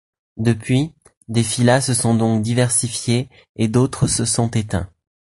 Depuis, des phyla se sont donc diversifiés et d’autres se sont éteints.